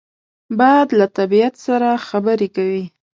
باد له طبیعت سره خبرې کوي